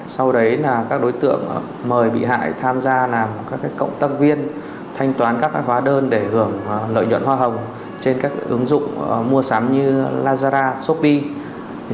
sau đấy là các đối tượng mời bị hại tham gia làm các cộng tác viên thanh toán các hóa đơn để hưởng lợi nhuận hoa hồng trên các ứng dụng mua sắm như lazada shopee